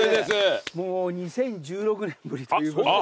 もう２０１６年ぶりということで。